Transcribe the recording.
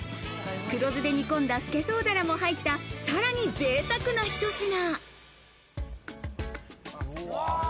黒酢で煮込んだ、すけそう鱈も入った、さらにぜいたくなひと品。